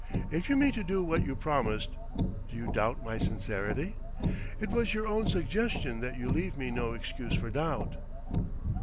"If you mean to do what you promised " "Do you doubt my sincerity?" "It was your own suggestion that you leave me no excuse for doubt..."